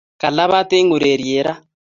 Kalapat eng' ureriet raa